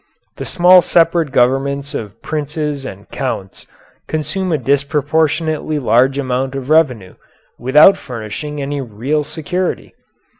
The small separate governments of princes and counts consume a disproportionately large amount of revenue without furnishing any real security.